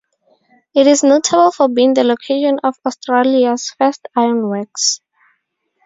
It is notable for being the location of Australia's first ironworks.